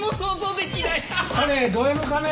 彼どＭかね？